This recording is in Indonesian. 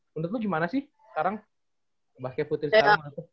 menurut lu gimana sih sekarang basket putri sama